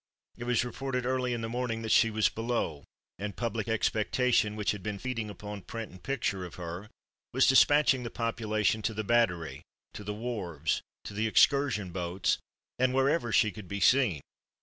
It was reported early in the morning that she was below, and public expectation, which had been feeding upon print and picture of her, was despatching the population to the Battery, to the wharves, to the excursion boats, and wherever she could be seen.